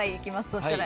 そしたら。